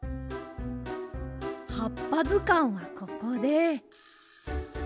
「はっぱずかん」はここで。